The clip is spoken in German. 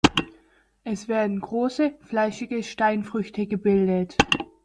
Es werden große, fleischige Steinfrüchte gebildet.